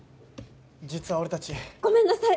実は俺達ごめんなさい！